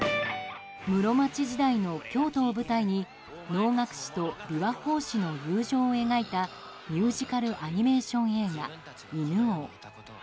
室町時代の京都を舞台に能楽師と琵琶法師の友情を描いたミュージカルアニメーション映画「犬王」。